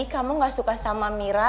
kamu gak suka sama mira